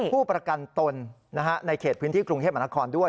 ผู้ประกันตนในเขตพื้นที่กรุงเทพมหานครด้วย